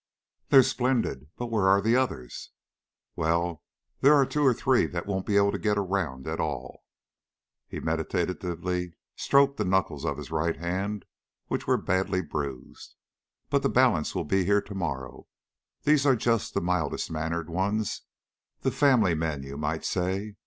"They are splendid. But where are the others?" "Well, there are two or three that won't be able to get around at all." He meditatively stroked the knuckles of his right hand, which were badly bruised. "But the balance will be here to morrow. These are just the mildest mannered ones the family men, you might say.